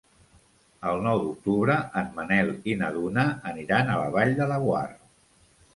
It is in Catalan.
El nou d'octubre en Manel i na Duna aniran a la Vall de Laguar.